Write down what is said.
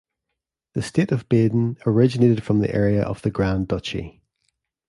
The state of Baden originated from the area of the Grand Duchy.